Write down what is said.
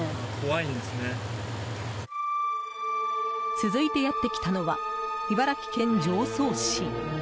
続いてやってきたのは茨城県常総市。